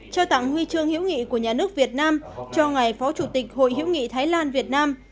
trao tặng huy chương hữu nghị của nhà nước việt nam cho ngài phó chủ tịch hội hiểu nghị thái lan việt nam